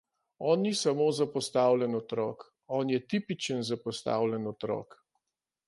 On ni samo zapostavljen otrok, on je tipičen zapostavljen otrok.